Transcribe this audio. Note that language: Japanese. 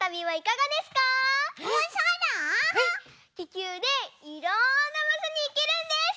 ききゅうでいろんなばしょにいけるんです！